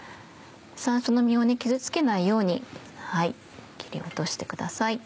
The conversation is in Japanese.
山椒の実を傷つけないように切り落としてください。